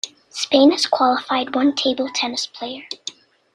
Spain has qualified one table tennis player.